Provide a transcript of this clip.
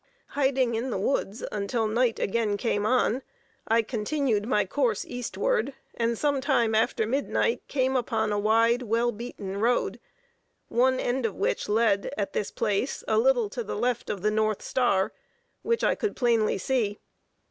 Hiding in the woods until night again came on, I continued my course eastward, and some time after midnight came upon a wide, well beaten road, one end of which led, at this place, a little to the left of the north star, which I could plainly see.